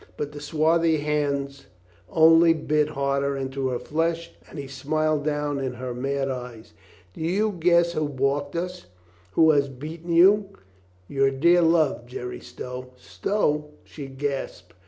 But the swarthy hands only bit harder into her flesh and he smiled down in her mad eyes. "Do you guess who balked us? Who has beaten you? Your dear love, Jerry Stow." "Stow?" she gasped.